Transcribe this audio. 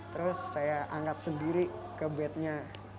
terus saya angkat sendiri ke bednya